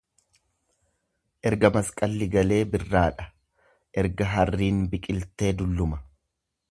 Eega masqalli galee birraadha eega harriin biqiltee dulluma.